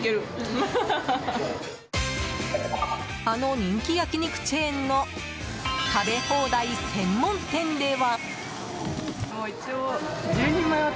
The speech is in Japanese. あの人気焼き肉チェーンの食べ放題専門店では。